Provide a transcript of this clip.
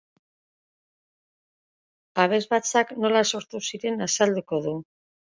Abesbatzak nola sortu ziren azalduko du.